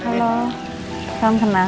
halo salam kenal